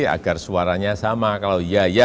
agar suaranya sama kalau iya ya